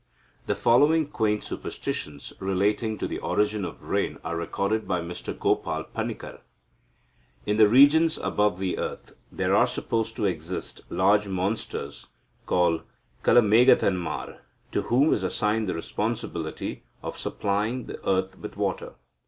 The following quaint superstitions relating to the origin of rain are recorded by Mr Gopal Panikkar. "In the regions above the earth, there are supposed to exist large monsters called Kalameghathanmar, to whom is assigned the responsibility of supplying the earth with water.